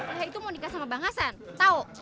ayah itu mau nikah sama bang hasan tau